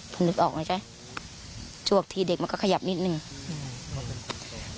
พอนึกออกน่ะใช่จวกทีเด็กมันก็ขยับนิดหนึ่งอืม